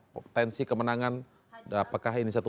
potensi kemenangan apakah ini satu